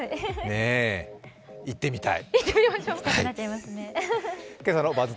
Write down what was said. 行ってみたい。